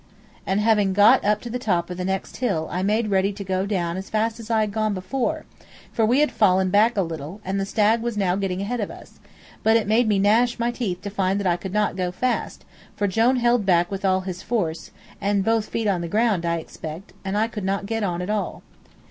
And having got up to the top of the next hill I made ready to go down as fast as I had gone before, for we had fallen back a little, and the stag was now getting ahead of us; but it made me gnash my teeth to find that I could not go fast, for Jone held back with all his force (and both feet on the ground, I expect), and I could not get on at all.